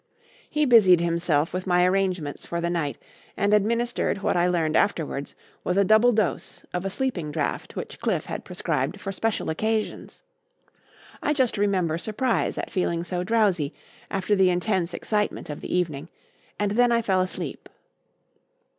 He busied himself with my arrangements for the night, and administered what I learned afterwards was a double dose of a sleeping draught which Cliffe had prescribed for special occasions. I just remember surprise at feeling so drowsy after the intense excitement of the evening, and then I fell asleep.